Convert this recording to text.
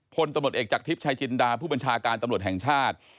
พลตำรวจเอกจากทิพย์ชายจินดาผู้บัญชาการตำรวจแห่งชาติ